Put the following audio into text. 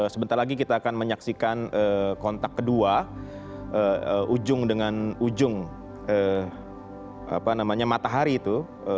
sebentar lagi kita akan menyaksikan kontak kedua ujung dengan ujung matahari itu